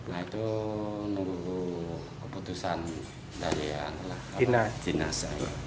nah itu nunggu keputusan dinas